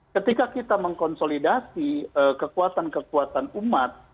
ketika kita mengkonsolidasi kekuatan kekuatan umat